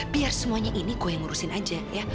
biar semuanya ini gue yang ngurusin aja ya